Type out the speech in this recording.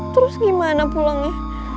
terus gimana pulangnya